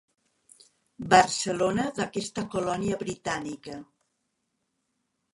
Barcelona d'aquesta colònia britànica.